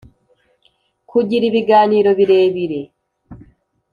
kugira ibiganiro birebire,